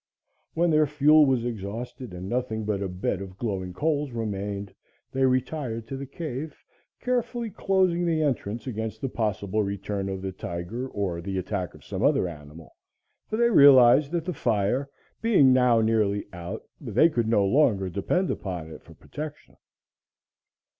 When their fuel was exhausted and nothing but a bed of glowing coals remained, they retired to the cave, carefully closing the entrance against the possible return of the tiger or the attack of some other animal, for they realized that the fire, being now nearly out, they could no longer depend upon it for protection.